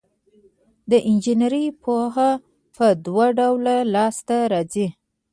د انجینر پوهه په دوه ډوله لاس ته راځي.